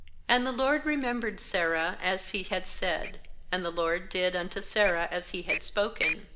And the LORD remembered Sarah as He had said, and the LORD did unto Sarah as He had spoken.